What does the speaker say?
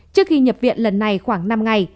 trước khi nhập viện lần này khoảng năm ngày